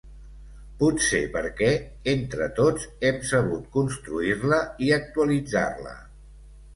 Potser perquè, entre tots, hem sabut construir-la i actualitzar-la.